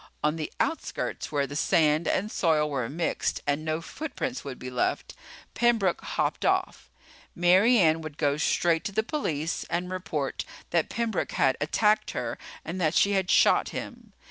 On the outskirts, where the sand and soil were mixed and no footprints would be left, Pembroke hopped off. Mary Ann would go straight to the police and report that Pembroke had attacked her and that she had shot him.